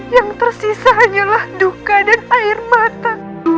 yang tersisa hanyalah duka dan air mata